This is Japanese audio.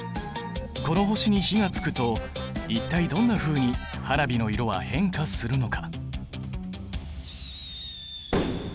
この星に火がつくと一体どんなふうに花火の色は変化するのか？